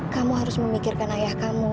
kamu harus memikirkan ayah kamu